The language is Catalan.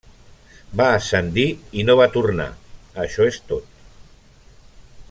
Va ascendir i no va tornar, això és tot.